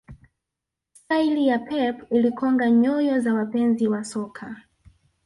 staili ya pep ilikonga nyoyo za wapenzi wa soka